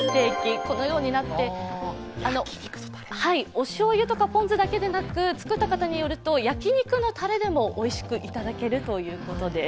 おしょうゆとかポン酢だけでなく作った方によると、焼き肉のたれでもおいしくできるということです。